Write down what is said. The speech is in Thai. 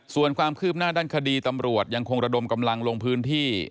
ส่วนความคืบหน้าด้านคดีตำรวจยังคงระดมกำลังลงพื้นที่